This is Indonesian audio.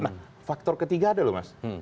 nah faktor ketiga ada loh mas